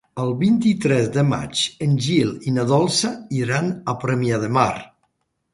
El vint-i-tres de maig en Gil i na Dolça iran a Premià de Mar.